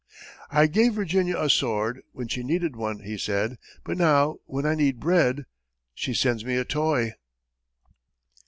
"I gave Virginia a sword when she needed one," he said; "but now, when I need bread, she sends me a toy!"